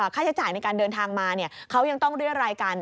ค่าใช้จ่ายในการเดินทางมาเขายังต้องเรียรายกัน